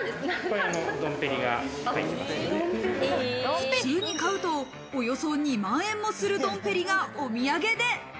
普通に買うと、およそ２万円もするドンペリがお土産で。